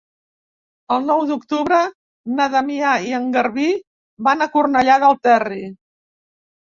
El nou d'octubre na Damià i en Garbí van a Cornellà del Terri.